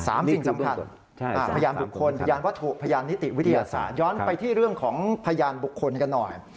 สิ่งสำคัญพยานบุคคลพยานวัตถุพยานนิติวิทยาศาสตร์ย้อนไปที่เรื่องของพยานบุคคลกันหน่อย